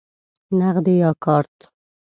نغدی یا کارت؟